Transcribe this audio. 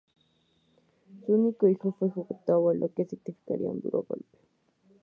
Su único hijo fue ejecutado, lo que le significaría un duro golpe.